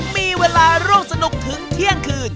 มีเวลาร่วมสนุกถึงเที่ยงคืน